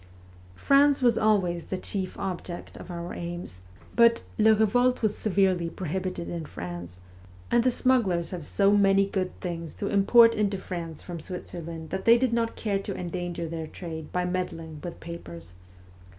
France was always the chief object of our aims, but ' Le Revolte ' was severely prohibited in France, and the smugglers have so many good things to import into France from Switzerland that they did not care to endanger their trade by meddling with papers.